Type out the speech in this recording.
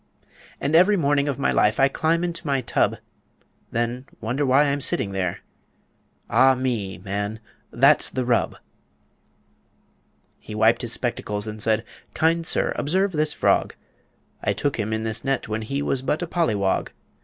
"'And every morning of my life I climb into my tub; Then wonder why I'm sitting there. Ah, me, man! that's the rub!' "He wiped his spectacles and said: 'Kind sir, observe this frog. I took him in this net, when he Was but a pollywog.